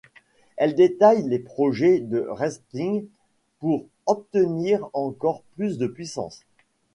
Elle détaille les projets de Raistlin pour obtenir encore plus de puissance.